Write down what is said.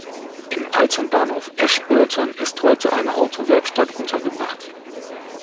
Im alten Bahnhof Ashburton ist heute eine Autowerkstatt untergebracht.